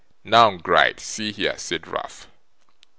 'Now, Gride, see here,' said Ralph.